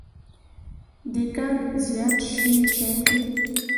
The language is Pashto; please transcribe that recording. دیکان زیات شين چای څوروي.